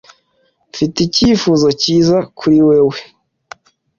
Mfite icyifuzo cyiza kuri wewe.